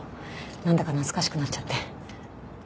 なんだか懐かしくなっちゃって。